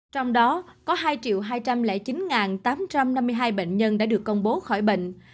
trong đó có hai hai trăm linh chín tám trăm năm mươi hai bệnh nhân đã được công bố khỏi bệnh